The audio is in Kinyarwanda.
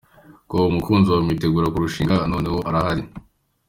com: Umukunzi wawe mwitegurana kurushinga ubu noneho arahari?.